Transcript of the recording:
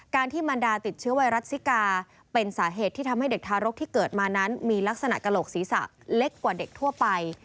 ที่มันดาติดเชื้อไวรัสซิกาเป็นสาเหตุที่ทำให้เด็กทารกที่เกิดมานั้นมีลักษณะกระโหลกศีรษะเล็กกว่าเด็กทั่วไป